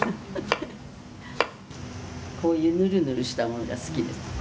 「こういうヌルヌルしたものが好きです」